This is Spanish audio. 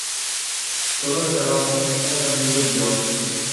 Solo estábamos un amigo y yo.